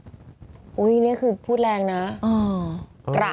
กระในที่นี้คือรู้เลยว่าต้องย่อมาจากคำว่ากระอะไร